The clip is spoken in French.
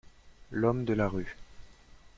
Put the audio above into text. “l’homme de la rue”.